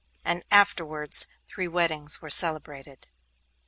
And afterwards three weddings were celebrated.